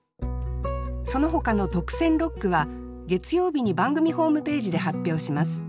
そのほかの特選六句は月曜日に番組ホームページで発表します。